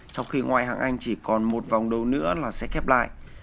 trong khi ngoài hạng anh chỉ còn một vòng đấu nữa là sẽ khép lại